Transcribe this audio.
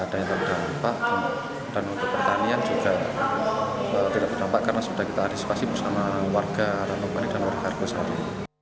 dan untuk pertanian juga tidak terdampak karena sudah kita antisipasi bersama warga rantau pali dan warga argo saru